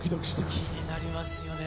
気になりますよね。